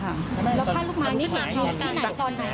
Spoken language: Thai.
แล้วผ้าลูกไม้นี่อยู่ใกล้ไหนตอนนั้น